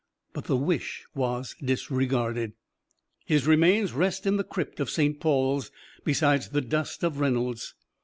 But the wish was disregarded. His remains rest in the crypt of Saint Paul's, beside the dust of Reynolds.